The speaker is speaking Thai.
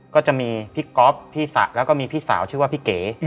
ก็จะมีพี่ก๊อฟพี่แล้วก็มีพี่สาวชื่อว่าพี่เก๋